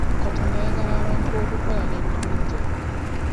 Katonda ayagala abantu okukola n'emikono gyabwe.